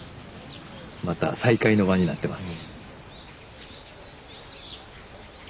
また再会の場になってます。